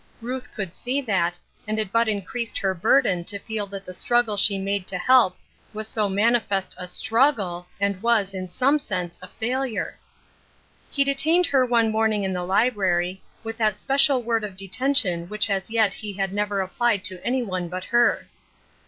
Ruth could see that, and it but increased her burden to feel that the struggle she made to help was so manifest a struggle^ and was, in some sense, a failure. 42 Ruth IJrskme's Crossei, He detained her one morning in the library, with that special word of detention which as yet he had never applied to any one but her.